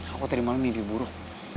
aku tadi malem nyambil buruh